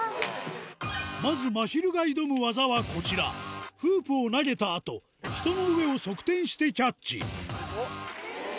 まずまひるが挑む技はこちらフープを投げた後人の上を側転してキャッチスゴっ！